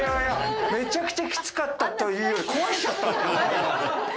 めちゃくちゃキツかったというより壊しちゃった？